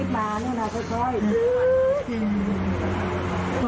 มันเหลียกมาช่วย